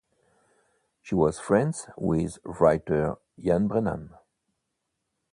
She was friends with writer Ian Brennan.